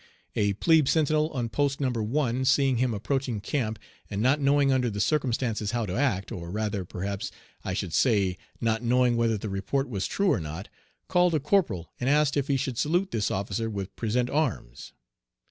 A plebe sentinel on Post No. 1, seeing him approaching camp, and not knowing under the circumstances how to act, or rather, perhaps, I should say, not knowing whether the report was true or not, called a corporal, and asked if he should salute this officer with "present arms."